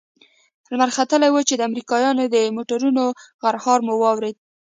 لمر ختلى و چې د امريکايانو د موټرو غرهار مو واورېد.